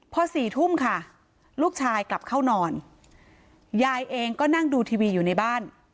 พอสี่ทุ่มค่ะลูกชายกลับเข้านอนยายเองก็นั่งดูทีวีอยู่ในบ้าน